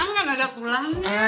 eh gak akan ada pulangnya